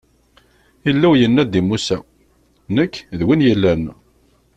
Illu yenna-d i Musa: Nekk, d Win yellan.